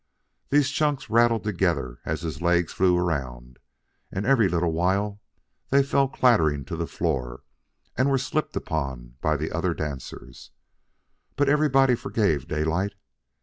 These chunks rattled together as his legs flew around, and every little while they fell clattering to the floor and were slipped upon by the other dancers. But everybody forgave Daylight.